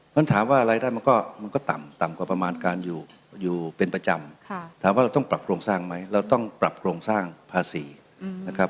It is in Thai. มันถามว่ารายได้มันก็ต่ำต่ำกว่าประมาณการอยู่อยู่เป็นประจำถามว่าเราต้องปรับโครงสร้างไหมเราต้องปรับโครงสร้างภาษีนะครับ